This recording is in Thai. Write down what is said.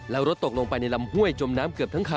แล้วรถตกลงไปในลำห้วยจมน้ำเกือบทั้งคัน